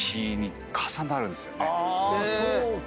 あそうか。